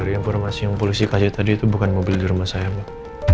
dari informasi yang polisi kasih tadi itu bukan mobil di rumah saya mbak